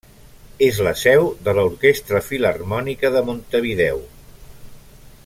És la seu de l'Orquestra Filharmònica de Montevideo.